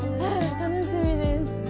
楽しみです。